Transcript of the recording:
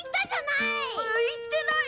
言ってない！